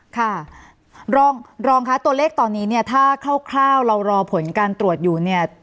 ค่ะรองรองคะตัวเลขตอนนี้เนี่ยถ้าคร่าวเรารอผลการตรวจอยู่เนี่ย